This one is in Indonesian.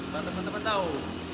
bagaimana teman teman tahu